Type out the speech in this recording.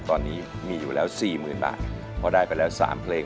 ตอนนี้มีอยู่แล้วสี่หมื่นบาทเพราะได้ไปแล้ว๓เพลง